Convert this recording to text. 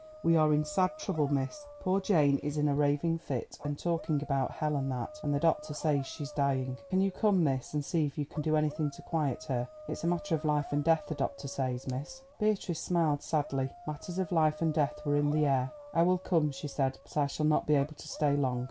We are in sad trouble, miss. Poor Jane is in a raving fit, and talking about hell and that, and the doctor says she's dying. Can you come, miss, and see if you can do anything to quiet her? It's a matter of life and death, the doctor says, miss." Beatrice smiled sadly; matters of life and death were in the air. "I will come," she said, "but I shall not be able to stay long."